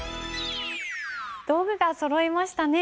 道具がそろいましたね。